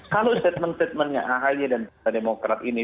kalau statement statementnya ahy dan demokrat ini